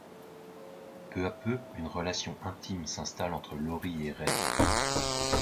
Peu à peu, une relation intime s'installe entre Laurie et Ray.